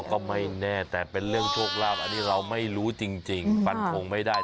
ก็ไม่แน่แต่เป็นเรื่องโชคลาภอันนี้เราไม่รู้จริงฟันทงไม่ได้